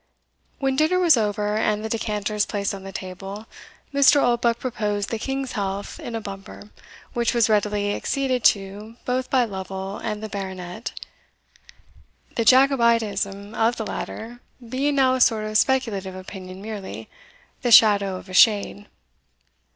When dinner was over, and the decanters placed on the table, Mr. Oldbuck proposed the King's health in a bumper, which was readily acceded to both by Lovel and the Baronet, the Jacobitism of the latter being now a sort of speculative opinion merely, the shadow of a shade.